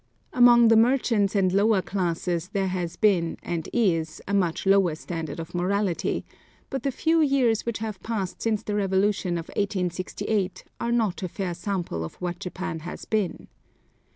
Among the merchants and lower classes there has been, and is, a much lower standard of morality, but the few years which have passed since the Revolution of 1868 are not a fair sample of what Japan has been.